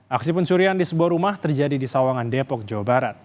aksi pencurian di sebuah rumah terjadi di sawangan depok jawa barat